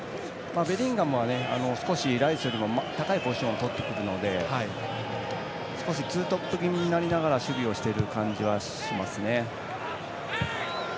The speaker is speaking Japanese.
ベリンガムはライスより高いポジションを取ってくるので少しツートップ気味になりながら守備をしている感じがしますね。